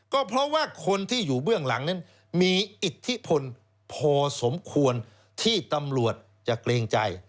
ก็เพราะว่าคนที่อยู่เบื้องหลังนั้นมีอิทธิพลพอสมควรที่ตำรวจจะเกรงใจ